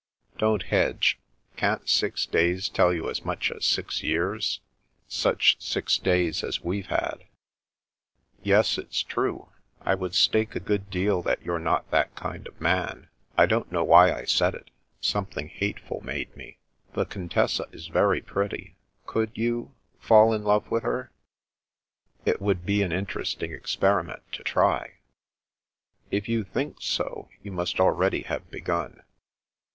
" Don't hedge. Can't six days tell you as much as six years — ^such six days as we've had? "" Yes. It's true. I would stake a good deal that you're not that kind of man. I don't know why I said it. Something hateful made me. The Con tessa is very pretty. Could you — fall in love with her?" " It would be an interesting experiment to try." " If you think so, you must already have begun."